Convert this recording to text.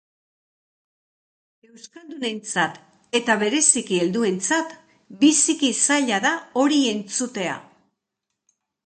Euskaldunentzat, eta bereziki helduentzat, biziki zaila da hori entzutea.